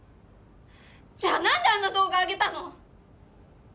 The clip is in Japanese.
じゃあ何であんな動画上げたの！？